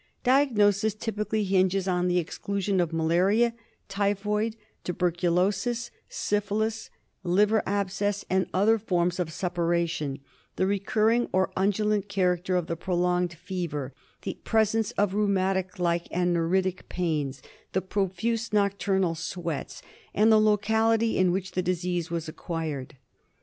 Diagnosis principally hinges on the exclusion of malaria, typhoid, tuberculosis, syphilis, liver abscess, and other forms of suppuration ; the recurring or undu lant character of the prolonged fever; the presence of rheumatic like and neuritic pains; the profuse nocturnal sweats ; and the locality in which the disease was acquired.